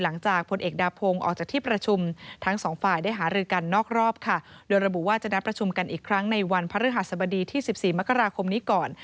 และประชุมกันอีกครั้งในวันภรรยศบดีที่๑๔มกราคมนี้ก่อน